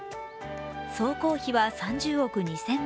総工費は３０億２０００万円。